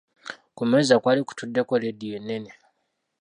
Ku meeza kwali kutuddeko laadiyo ennene.